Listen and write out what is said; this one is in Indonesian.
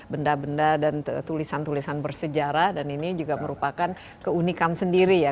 benda benda dan tulisan tulisan bersejarah dan ini juga merupakan keunikan sendiri ya